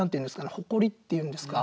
誇りっていうんですか。